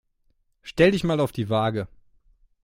Stell dich mal auf die Waage.